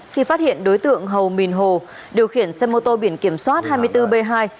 khi phát hiện đối tượng hầu mìn hồ điều khiển xe mô tô biển kiểm soát hai mươi bốn b hai năm mươi tám nghìn tám trăm bảy mươi ba